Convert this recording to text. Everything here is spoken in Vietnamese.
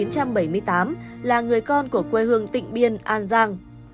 trung tá trần thanh hòa sinh năm một nghìn chín trăm bảy mươi tám là người con của quê hương tịnh biên an giang